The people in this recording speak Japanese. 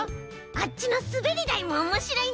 あっちのすべりだいもおもしろいんだよ！